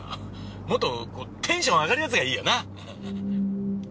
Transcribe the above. もっとこうテンション上がるやつがいいよな！